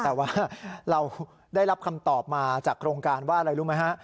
แต่ว่าเราได้รับคำตอบมาจากโครงการว่าอะไรรู้ไหมฮะ